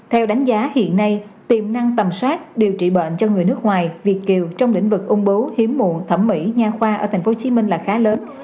theo đánh giá hiện nay tiềm năng tầm soát điều trị bệnh cho người nước ngoài việt kiều trong lĩnh vực ung bấu hiếm muộn thẩm mỹ nha khoa ở tp hcm là khá lớn